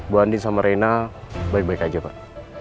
bu andi sama reina baik baik aja pak